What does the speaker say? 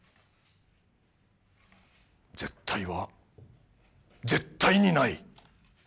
絶対は絶対にない！